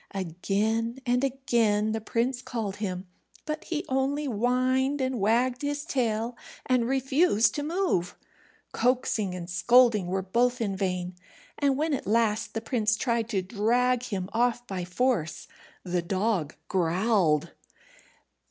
Again and again the prince called him, but he only whined and wagged his tail, and refused to move. Coaxing and scolding were both in vain, and when at last the prince tried to drag him off by force, the dog growled.